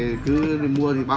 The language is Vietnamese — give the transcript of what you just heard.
bây giờ nha nó đi mua cho bố nó